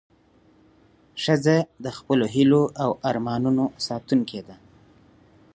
ښځه د خپلو هیلو او ارمانونو ساتونکې ده.